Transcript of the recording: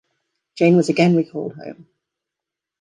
Jane was again recalled home.